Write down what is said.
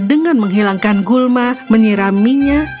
dengan menghilangkan gulma menyiraminya